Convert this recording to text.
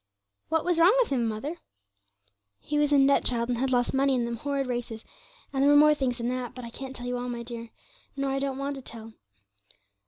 'What was wrong with him, mother?' 'He was in debt, child, and had lost money in them horrid races; and there were more things than that, but I can't tell you all, my dear, nor I don't want to tell.